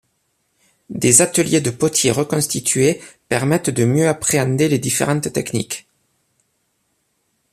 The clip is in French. Des ateliers de potiers reconstitués permettent de mieux appréhender les différentes techniques.